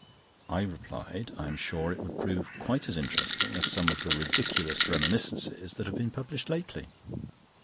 I replied: "I am sure it would prove quite as interesting as some of the ridiculous reminiscences that have been published lately.